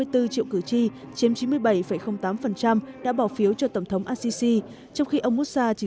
hai tám mươi bốn triệu cử tri chiếm chín mươi bảy tám đã bỏ phiếu cho tổng thống al sisi trong khi ông moussa chỉ